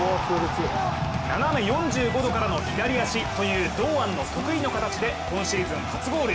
斜め４５度からの左足という堂安の得意の形で今シーズン初ゴール。